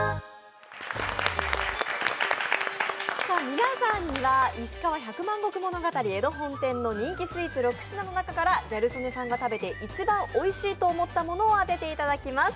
皆さんにはいしかわ百万石物語・江戸本店の人気スイーツ６品の中からギャル曽根さんが食べて一番おいしいと思ったものを当てていただきます。